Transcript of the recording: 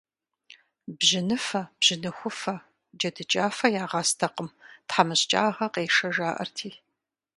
Бжьыныфэ, бжьыныхуфэ, джэдыкӀафэ ягъэстэкъым, тхьэмыщкӀагъэ къешэ, жаӀэрти.